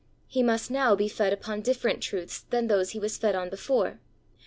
He must now be fed upon different truths than those he was fed on before.